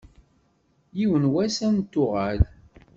Yiwen n wass ad n-tuɣal.